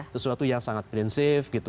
sesuatu yang sangat prinsip gitu